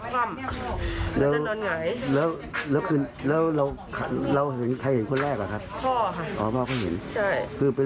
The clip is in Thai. พอไปดูว่าทำไมเรียกแล้วไม่ตื่น